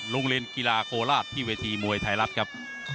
โรงเรียนกีฬาโคราชที่เวทีมวยไทยรัฐครับ